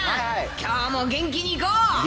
きょうも元気にいこう。